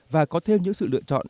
và có thêm những sự lựa chọn